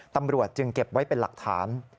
ตำรวจจึงเก็บไว้เป็นหลักฐาน